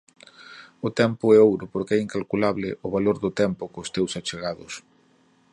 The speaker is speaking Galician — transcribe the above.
O tempo é ouro, porque é incalculable o valor do tempo cos teus achegados.